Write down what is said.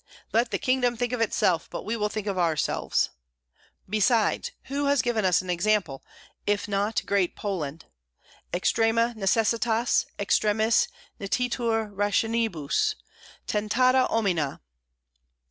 "Let the kingdom think of itself, but we will think of ourselves." "Besides, who has given us an example, if not Great Poland? _Extrema necessitas, extremis nititur rationibus! Tentanda omnia!